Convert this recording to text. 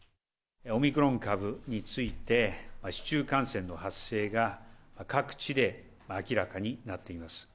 オミクロン株について、市中感染の発生が各地で明らかになっています。